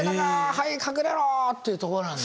はい隠れろ！というところなんだ。